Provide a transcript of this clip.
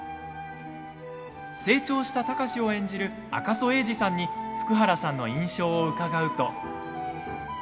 成長した貴司を演じる赤楚衛二さんに福原さんの印象を伺うと。